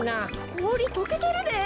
こおりとけてるで。